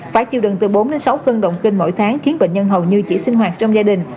phải chịu đựng từ bốn sáu cơn động kinh mỗi tháng khiến bệnh nhân hầu như chỉ sinh hoạt trong gia đình